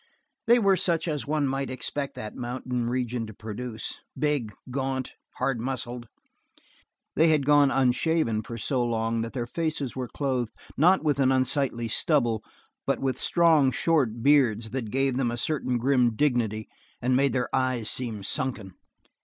They were such as one might expect that mountain region to produce, big, gaunt, hard muscled. They had gone unshaven for so long that their faces were clothed not with an unsightly stubble but with strong, short beard that gave them a certain grim dignity and made their eyes seem sunken.